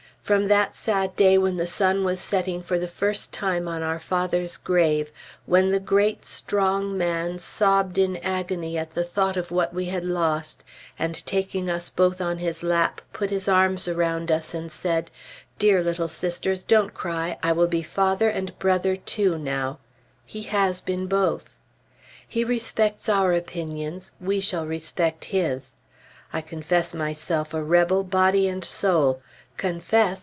From that sad day when the sun was setting for the first time on our father's grave, when the great, strong man sobbed in agony at the thought of what we had lost, and taking us both on his lap put his arms around us and said, "Dear little sisters, don't cry; I will be father and brother, too, now," he has been both. He respects our opinions, we shall respect his. I confess myself a rebel, body and soul. _Confess?